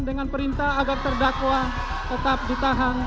dengan perintah agar terdakwa tetap ditahan